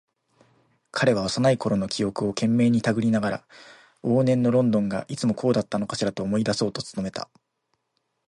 彼は幼いころの記憶を懸命にたぐりながら、往年のロンドンがいつもこうだったのかしらと思い出そうと努めた。